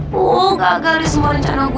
bu gagal di semua rencana gue